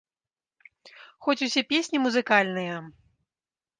Хоць усе песні музыкальныя!